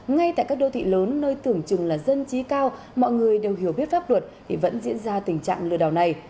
ngay tại các đô thị lớn nơi tưởng chừng là dân trí cao mọi người đều hiểu biết pháp luật thì vẫn diễn ra tình trạng lừa đảo này